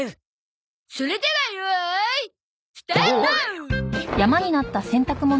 それでは用意スタート！